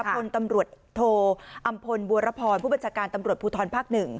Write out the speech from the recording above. พลตำรวจโทอำพลบัวรพรผู้บัญชาการตำรวจภูทรภาค๑